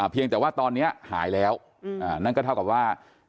เพียงแต่ว่าตอนนี้หายแล้วนั่นก็เท่ากับว่า